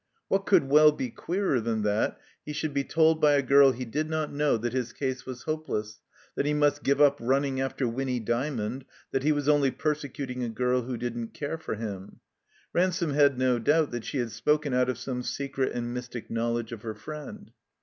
What could well be queerer than that he should be told by a girl he did not know that his case was hopeless, that he must give up running after Winny Dymond, that he was only persecuting a girl who didn't care for him. Ransome had no doubt that she had spoken out of some secret and mystic knowledge of her friend.